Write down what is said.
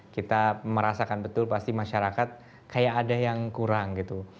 kita merasakan betul pasti masyarakat kayak ada yang kurang gitu